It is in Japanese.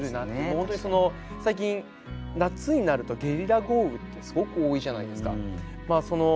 本当に最近夏になるとゲリラ豪雨ってすごく多いじゃないですか。